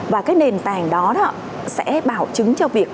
và cái nền tảng đó sẽ bảo chứng cho việc